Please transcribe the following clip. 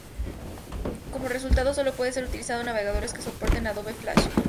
Como resultado, solo puede ser utilizada en Navegadores que soporten Adobe Flash.